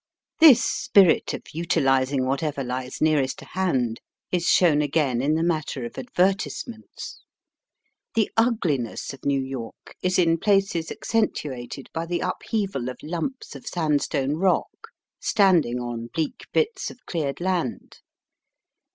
This spirit of utilizing whatever Ues nearest to hand is shown again in the matter of adver tisements. The ugliness of New York is in places accentuated by the upheaval of lumps of sandstone rock, standing on bleak bits of cleared land.